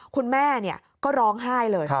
คุณแม่ก็ร้องไห้เลย